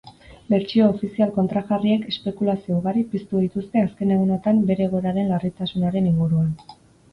Bertsio ofizial kontrajarriek espekulazio ugari piztu dituzte azken egunotan bere egoeraren larritasunaren inguruan.